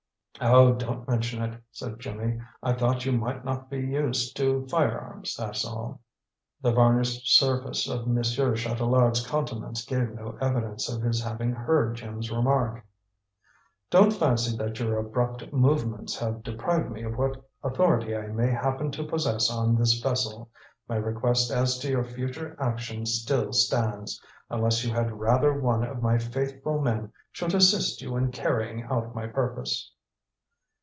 "Oh, don't mention it," said Jimmy. "I thought you might not be used to firearms, that's all." The varnished surface of Monsieur Chatelard's countenance gave no evidence of his having heard Jim's remark. "Don't fancy that your abrupt movements, have deprived me of what authority I may happen to possess on this vessel. My request as to your future action still stands, unless you had rather one of my faithful men should assist you in carrying out my purpose."